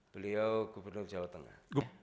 beliau gubernur jawa tengah